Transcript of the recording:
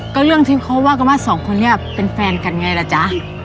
ก็เรื่องที่เขาว่ากันว่าสองคนนี้เป็นแฟนกันไงล่ะจ๊ะ